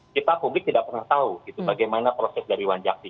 kita publik tidak pernah tahu bagaimana proses dari wanjakti